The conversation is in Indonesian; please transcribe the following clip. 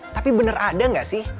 tapi bener ada nggak sih